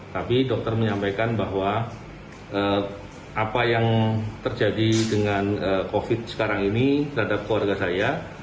tapi dokter menyampaikan bahwa apa yang terjadi dengan covid sekarang ini terhadap keluarga saya